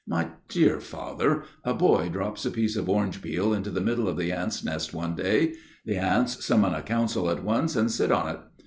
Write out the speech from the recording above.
" My dear Father, a boy drops a piece of orange peel into the middle of the ants* nest one day. The ants summon a council at once and sit on it.